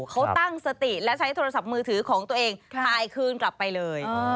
เขาตั้งสติและใช้โทรศัพท์มือถือของตัวเองถ่ายคืนกลับไปเลย